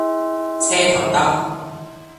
車頭燈